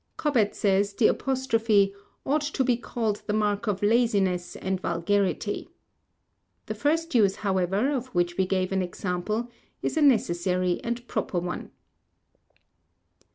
Cobbett says the apostrophe "ought to be called the mark of laziness and vulgarity." The first use, however, of which we gave an example, is a necessary and proper one.